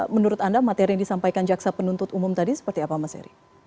menurut anda materi yang disampaikan jaksa penuntut umum tadi seperti apa mas eri